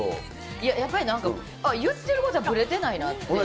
いや、やっぱりなんか、あ、言ってることはぶれてないなっていう。